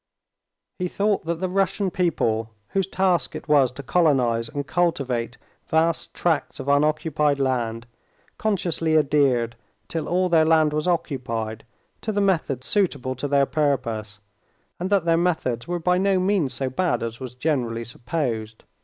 He thought that the Russian people whose task it was to colonize and cultivate vast tracts of unoccupied land, consciously adhered, till all their land was occupied, to the methods suitable to their purpose, and that their methods were by no means so bad as was generally supposed.